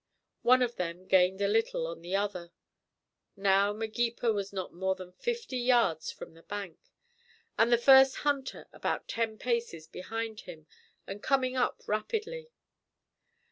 One of them gained a little on the other. Now Magepa was not more than fifty yards from the bank, with the first hunter about ten paces behind him and coming up rapidly.